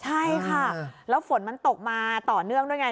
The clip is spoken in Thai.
ใช่ค่ะแล้วฝนมันตกมาต่อเนื่องด้วยไง